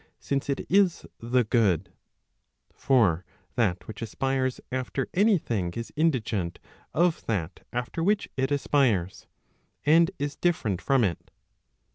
since it is the goocQ For that which aspires after any thing is indigent of that after which it aspires, and is different from it.